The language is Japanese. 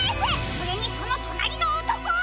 それにそのとなりのおとこは。